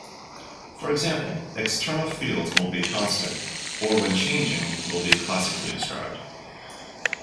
For example, external fields will be constant, or when changing will be classically described.